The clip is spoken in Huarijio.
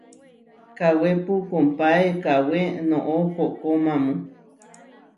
Kawépu kompáe kawé noʼó koʼkomamu.